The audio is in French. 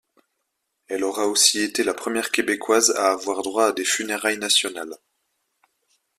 Elle aura aussi été la première québécoise à avoir droit à des funérailles nationales.